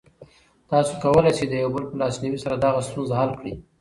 تاسو کولی شئ د یو بل په لاسنیوي سره دغه ستونزه حل کړئ.